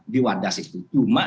di wadah situ cuma